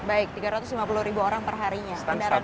baik tiga ratus lima puluh orang per harinya